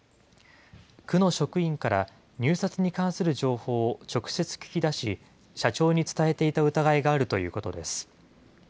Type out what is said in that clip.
区の職員から入札に関する情報を直接聞き出し、社長に伝えていた疑いがあるということです。